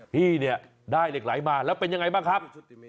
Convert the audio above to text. พี่ได้เหล็กไหลมาแล้วเป็นอย่างไรบ้างครับ